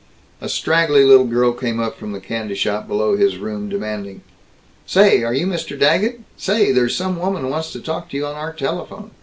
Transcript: A straggly little girl came up from the candy shop below his room, demanding, "Say, are you Mr. Daggett? Say, there's some woman wants to talk to you on our telephone.